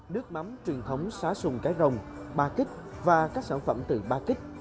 nước mắm truyền thống xá sùng cái rồng ba kích và các sản phẩm từ ba kích